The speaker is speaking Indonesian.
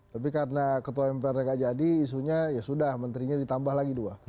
tapi karena ketua mpr nya gak jadi isunya ya sudah menterinya ditambah lagi dua